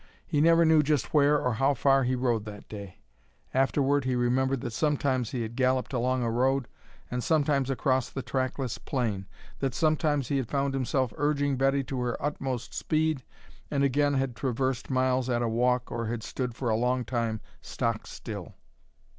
He never knew just where or how far he rode that day. Afterward he remembered that sometimes he had galloped along a road and sometimes across the trackless plain, that sometimes he had found himself urging Betty to her utmost speed and again had traversed miles at a walk or had stood for a long time stock still.